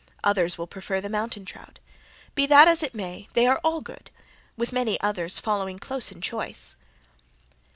Others will prefer the mountain trout. Be that as it may they all are good, with many others following close in choice.